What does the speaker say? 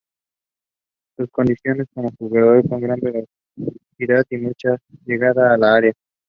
Sus condiciones como jugador son gran velocidad y mucha llegada al área.